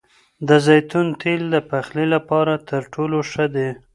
د زیتون تېل د پخلي لپاره تر ټولو ښه دي.